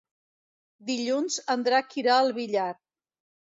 Dilluns en Drac irà al Villar.